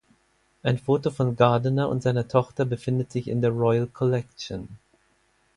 Ein Foto von Gardiner und seiner Tochter befindet sich in der Royal Collection.